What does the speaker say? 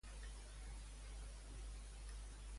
el concert d'Akelarre i el de la gira Termomix